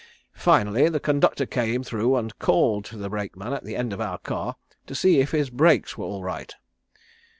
Finally the conductor came through and called to the brakeman at the end of our car to see if his brakes were all right.